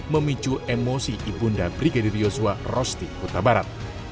memicu emosi ibunda brigadir yosua rosti kuta barat